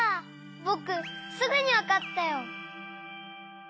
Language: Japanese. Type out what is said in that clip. ぼくすぐにわかったよ！